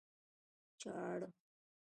چاړه